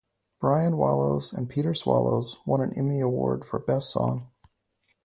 "Brian Wallows and Peter's Swallows" won an Emmy Award for Best Song.